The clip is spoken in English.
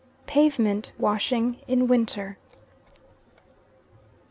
PAVEMENT WASHING IN WINTER.